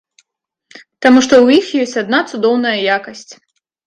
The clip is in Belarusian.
Таму што ў іх ёсць адна цудоўная якасць.